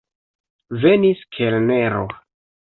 Venis kelnero.